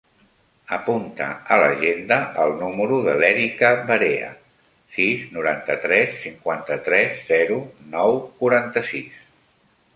Apunta a l'agenda el número de l'Erika Barea: sis, noranta-tres, cinquanta-tres, zero, nou, quaranta-sis.